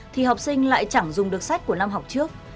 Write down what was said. thì học sinh lại chẳng dùng được sách của năm học trước